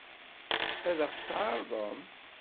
Ad ɣ-t-tɛeṛḍem?